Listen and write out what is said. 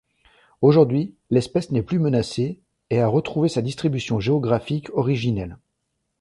Aujourd’hui, l'espèce n'est plus menacée et a retrouvé sa distribution géographique originelle.